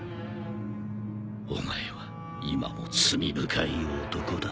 お前は今も罪深い男だ。